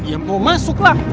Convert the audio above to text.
ya mau masuk lah